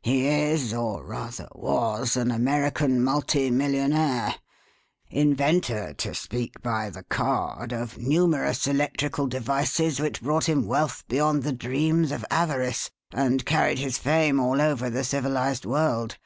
"He is or, rather, was an American multi millionaire; inventor, to speak by the card, of numerous electrical devices which brought him wealth beyond the dreams of avarice, and carried his fame all over the civilized world.